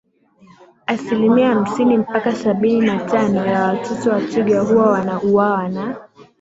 Asilimia hamsini mpaka sabini na tano ya watoto wa twiga huwa wana uwawa na